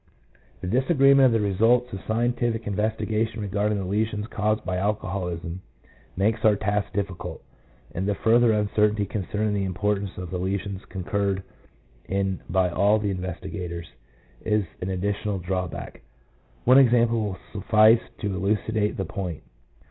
2 The disagreement of the results of scientific in vestigation regarding the lesions caused by alcoholism makes our task difficult, and the further uncertainty concerning the importance of the lesions concurred in by all the investigators, is an additional drawback. One example will suffice to elucidate the point.